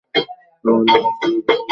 তাহলে আমিও চলে যাব।